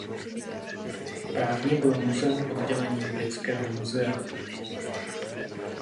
Právně bylo muzeum oddělením Britského muzea.